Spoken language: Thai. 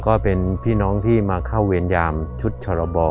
ก็เป็นพี่น้องที่มาเข้าเวรยามชุดชรบ